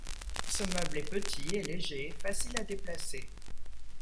Ce meuble est petit et léger, facile à déplacer.